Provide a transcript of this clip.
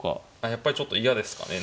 やっぱりちょっと嫌ですかね。